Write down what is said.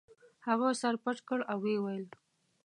هغه سر پټ کړ او ویې ویل.